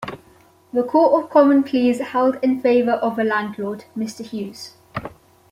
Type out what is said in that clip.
The Court of Common Pleas held in favour of the landlord, Mr Hughes.